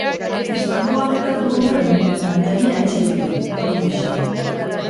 Istripua gertatu ondoren, lantegia itxi dute, dolu gisa.